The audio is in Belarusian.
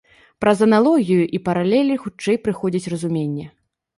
Праз аналогію і паралелі хутчэй прыходзіць разуменне.